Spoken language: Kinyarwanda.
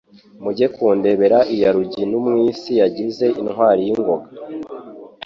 Mujye kundebera iya RuginaUmwisi yagize intwari y' ingoga